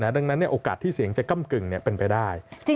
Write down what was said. ดังนั้นโอกาสที่เสียงจะก้ำกึ่งเป็นไปได้